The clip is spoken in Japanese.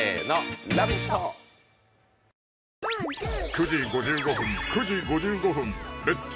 ９時５５分９時５５分「レッツ！